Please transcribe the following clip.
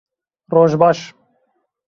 Roj baş!